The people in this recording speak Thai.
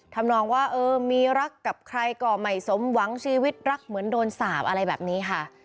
ทำนองว่าเออมีรักกับใครก็ไม่สมหวังชีวิตรักเหมือนโดนสาปอะไรแบบนี้ค่ะ